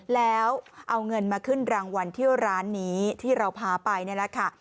แล้วเอาเงินมาขึ้นรางวัลที่ร้านนี้ที่เราพาไปนี่แหละค่ะ